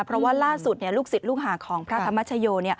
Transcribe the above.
เพราะว่าล่าสุดลูกศิษย์ลูกหาของพระธรรมชโย